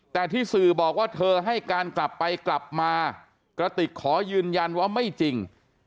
แต่ที่สื่อบอกว่าเธอให้การกลับไปกลับมากระติกขอยืนยันว่าไม่จริง